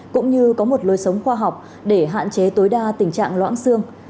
cũng như có một lối sống khoa học để hạn chế tối đa tình trạng loãng xương